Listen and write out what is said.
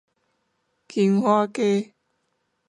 金華街